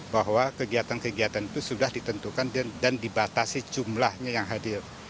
bahwa kegiatan kegiatan itu sudah ditentukan dan dibatasi jumlahnya yang hadir